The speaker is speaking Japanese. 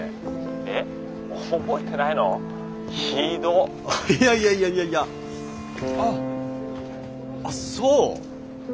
いやいやいやいやいやあそう。